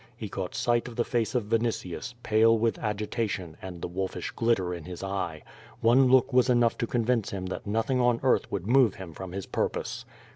Ho caught sight of the face of Vinitius, pale with agitation, and the wolfish glitter in his eye. One look was enough to convince him that nothing on earth would move him from his purpose.